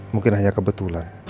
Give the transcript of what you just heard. mungkin hanya kebetulan